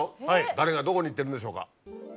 誰がどこに行ってるんでしょうか？